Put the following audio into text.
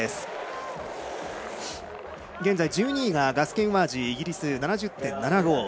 現在１２位がガス・ケンワージー、イギリス。